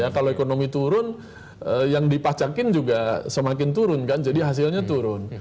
kalau ekonomi turun yang dipacakin juga semakin turun kan jadi hasilnya turun